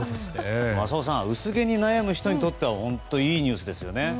浅尾さん、薄毛に悩む人には本当にいいニュースですよね。